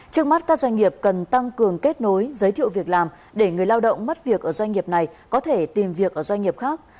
trước mắt các doanh nghiệp cần tăng cường kết nối giới thiệu việc làm để người lao động mất việc ở doanh nghiệp này có thể tìm việc ở doanh nghiệp khác